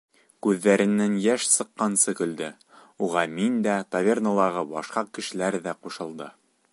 Күҙҙәренән йәш сыҡҡансы көлдө, уға мин дә, таверналағы башҡа кешеләр ҙә ҡушылды.